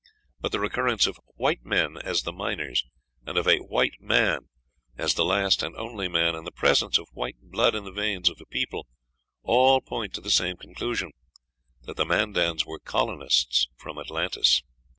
But the recurrence of "white men" as the miners, and of a white man as "the last and only man," and the presence of white blood in the veins of the people, all point to the same conclusion that the Mandans were colonists from Atlantis.